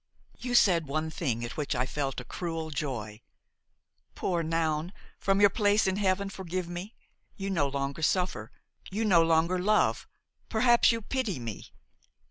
"You said one thing at which I felt a cruel joy. Poor Noun! from your place in heaven forgive me! you no longer suffer, you no longer love, perhaps you pity me!